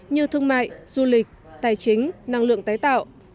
như thương mại du lịch tài chính năng lượng tái tạo